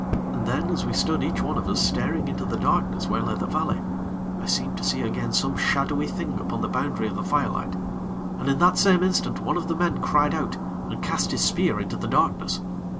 And then, as we stood each one of us staring into the darkness where lay the valley, I seemed to see again some shadowy thing upon the boundary of the firelight; and, in the same instant, one of the men cried out and cast his spear into the darkness.